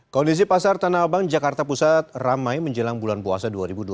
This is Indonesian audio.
kondisi pasar tanah abang jakarta pusat ramai menjelang bulan puasa dua ribu dua puluh